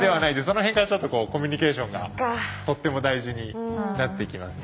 その辺からちょっとコミュニケーションがとっても大事になってきます。